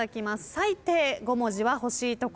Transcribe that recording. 最低５文字は欲しいところ。